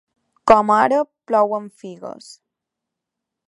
Com ara plouen figues.